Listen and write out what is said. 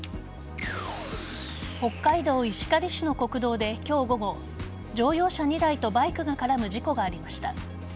北海道石狩市の国道で今日午後乗用車２台とバイクが絡む事故がありました。